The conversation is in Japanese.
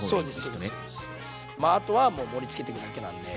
まああとはもう盛りつけていくだけなんで。